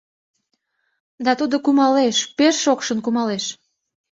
Да тудо кумалеш, пеш шокшын кумалеш.